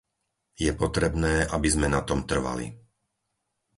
Je potrebné, aby sme na tom trvali.